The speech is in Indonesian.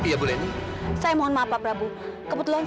jangan menjemput saya